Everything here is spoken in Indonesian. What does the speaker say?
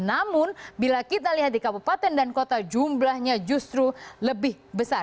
namun bila kita lihat di kabupaten dan kota jumlahnya justru lebih besar